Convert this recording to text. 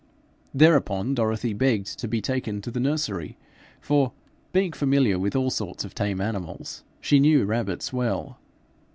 Thereupon Dorothy begged to be taken to the nursery, for, being familiar with all sorts of tame animals, she knew rabbits well.